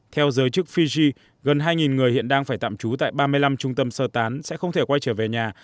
theo giới chức fiji gần hai người hiện đang phải tạm trú tại ba mươi năm trung tâm sơ tán sẽ không thể quay trở về nhà